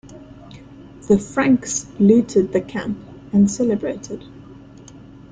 The Franks looted the camp and celebrated.